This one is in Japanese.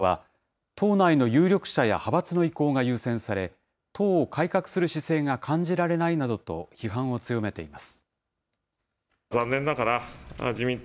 自民党の役員人事などについて、野党各党は、党内の有力者や派閥の意向が優先され、党を改革する姿勢が感じられないなどと批判を強めています。